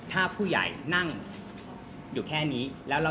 ถ้าผู้ใหญ่นั่งอยู่แค่นี้